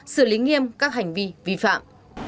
xử lý nghiêm các hành vi vi phạm